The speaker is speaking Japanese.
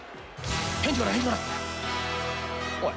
［返事がない。